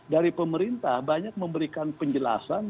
dari pemerintah banyak memberikan penjelasan